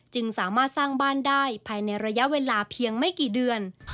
จึงสามารถสร้างบ้านได้ภายในระยะเวลาเพียงไม่กี่เดือน